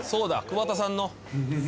桑田さんの。